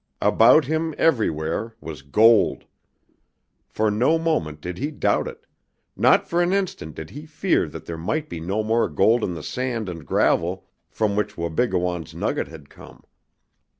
About him, everywhere, was gold! For no moment did he doubt it; not for an instant did he fear that there might be no more gold in the sand and gravel from which Wabigoon's nugget had come.